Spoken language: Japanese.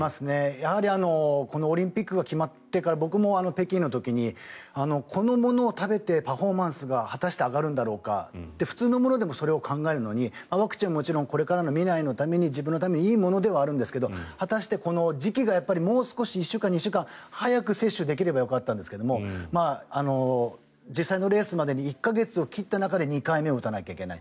やはりこのオリンピックが決まってから僕も北京の時にこのものを食べてパフォーマンスが果たして上がるんだろうかって普通のものでもそれに感じるのにワクチンはもちろんこれからの未来のために自分のためにいいものではあるんですけど果たして、時期がもう少し１週間２週間早く接種できればよかったんですが実際のレースまでに１か月を切った中で２回目を打たないといけない。